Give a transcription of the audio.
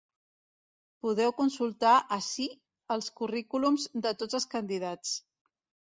Podeu consultar ací els currículums de tots els candidats.